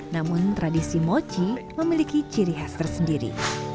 namun tradisi mochi memiliki ciri khas tersendiri